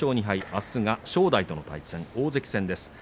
あすは正代との対戦大関戦です。